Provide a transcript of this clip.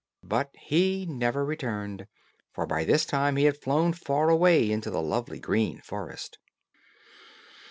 But he never returned; for by this time he had flown far away into the lovely green forest.